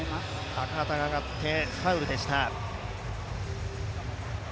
赤旗が上がってファウルでした。